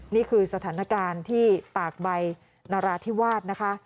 นี่คือสถานการณ์ที่ตากใบนราธิวาสนะคะ